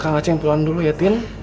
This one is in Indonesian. kakak ceng pulang dulu ya tim